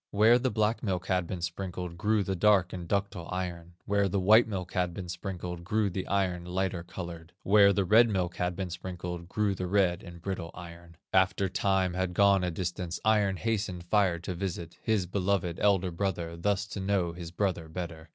Where the black milk had been sprinked, Grew the dark and ductile iron; Where the white milk had been sprinkled, Grew the iron, lighter colored; Where the red milk had been sprinkled, Grew the red and brittle iron. "After Time had gone a distance, Iron hastened Fire to visit, His beloved elder brother, Thus to know his brother better.